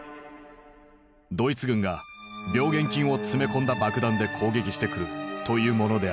ドイツ軍が病原菌を詰め込んだ爆弾で攻撃してくるというものである。